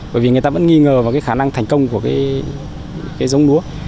bởi vì người ta vẫn nghi ngờ vào cái khả năng thành công của cái giống lúa